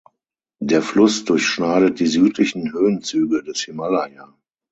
Der Fluss durchschneidet die südlichen Höhenzüge des Himalaya.